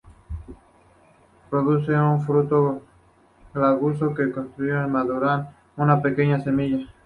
Producen un fruto globoso en cuyo interior maduran una pequeñas semillas.